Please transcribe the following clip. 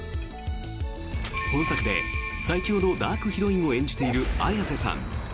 本作で最強のダークヒロインを演じている綾瀬さん。